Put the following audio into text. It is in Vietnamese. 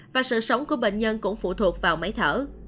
và sự sống của bệnh nhân cũng phụ thuộc vào máy thở